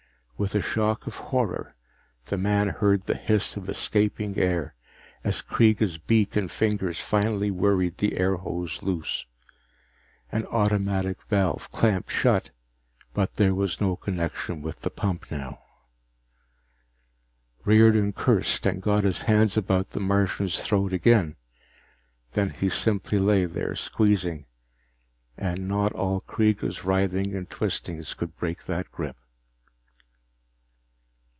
With a shock of horror, the man heard the hiss of escaping air as Kreega's beak and fingers finally worried the airhose loose. An automatic valve clamped shut, but there was no connection with the pump now Riordan cursed, and got his hands about the Martian's throat again. Then he simply lay there, squeezing, and not all Kreega's writhing and twistings could break that grip.